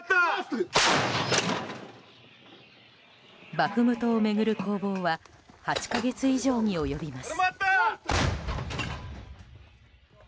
バフムトを巡る攻防は８か月以上に及びます。